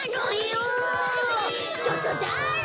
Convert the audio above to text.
ちょっとだれ？